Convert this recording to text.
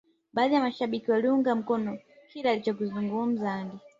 baadhi ya mashabiki waliunga mkono kile alichokizungumza Andy